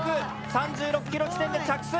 ３６ｋｍ地点で着水。